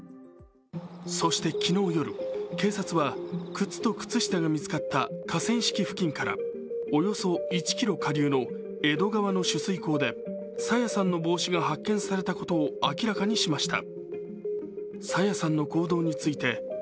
そして昨日夜、警察は靴と靴下が見つかった河川敷付近からおよそ１ｋｍ下流の江戸川の取水口で朝芽さんの帽子が発見されたことを明らかにしました。